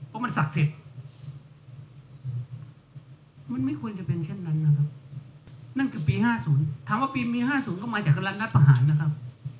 เพราะมันศักดิ์สิทธิ์มันไม่ควรจะเป็นเช่นนั้นนะครับนั่นคือปี๕๐ถามว่าปี๕๐ก็มาจากกำลังงัดประหารนะครับ